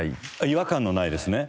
違和感のないですね。